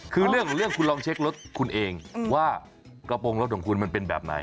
คือเรื่องของเรื่องคุณลองเช็ครถคุณเองว่ากระโปรงรถของคุณมันเป็นแบบไหน